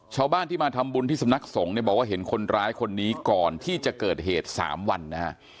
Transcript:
ชาวบ้านที่มาทำบุญที่สำนักสงฆ์เนี่ยบอกว่าเห็นคนร้ายคนนี้ก่อนที่จะเกิดเหตุ๓วันนะฮะ